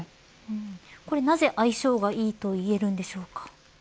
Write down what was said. これなぜ相性がいいと言えるんでしょうか。